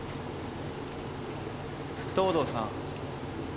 藤堂さん